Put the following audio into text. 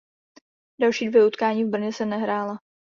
Další dvě utkání v Brně se nehrála.